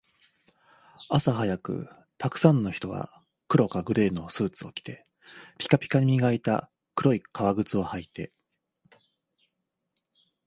朝早く、沢山の人が黒かグレーのスーツを着て、ピカピカに磨いた黒い革靴を履いて